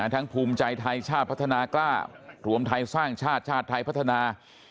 ภูมิใจไทยชาติพัฒนากล้ารวมไทยสร้างชาติชาติไทยพัฒนา